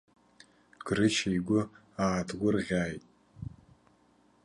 Грышьа игәы ааҭгәырӷьааит.